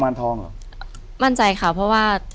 อยู่ที่แม่ศรีวิรัยิลครับ